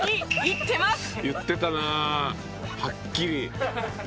「言ってたなはっきり」